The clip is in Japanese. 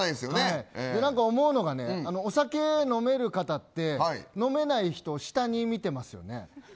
思うのがね、お酒飲める方って飲めない人を下に見てますよね。